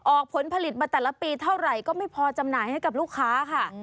ผลผลิตมาแต่ละปีเท่าไหร่ก็ไม่พอจำหน่ายให้กับลูกค้าค่ะ